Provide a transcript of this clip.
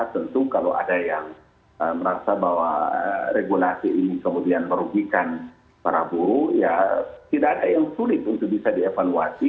tentu kalau ada yang merasa bahwa regulasi ini kemudian merugikan para buruh ya tidak ada yang sulit untuk bisa dievaluasi